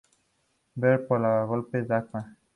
Ver paragolpes Dagmar.